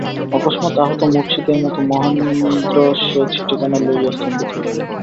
অকস্মাৎ আহত মূর্ছিতের মতো মহেন্দ্র সে-চিঠিখানি লইয়া স্তম্ভিত হইয়া রহিল।